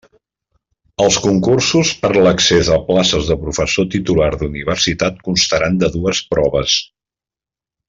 Els concursos per a l'accés a places de professor titular d'universitat constaran de dues proves.